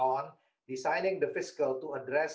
untuk menangani kesehatan publik